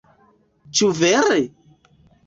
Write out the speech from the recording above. Ĉu vere?...